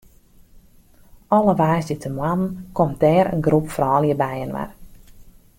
Alle woansdeitemoarnen komt dêr in groep froulju byinoar.